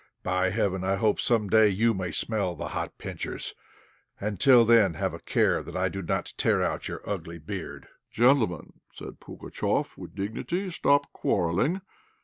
By heaven, I hope some day you may smell the hot pincers, and till then have a care that I do not tear out your ugly beard." "Gentlemen," said Pugatchéf, with dignity, "stop quarrelling.